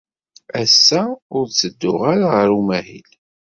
Ass-a, ur ttedduɣ ara ɣer umahil.